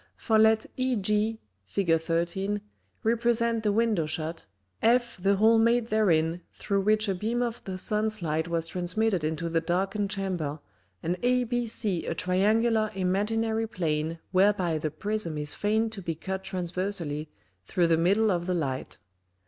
[D] For let EG [Fig. 13. (p. 27)] represent the Window shut, F the hole made therein through which a beam of the Sun's Light was transmitted into the darkened Chamber, and ABC a Triangular Imaginary Plane whereby the Prism is feigned to be cut transversely through the middle of the Light.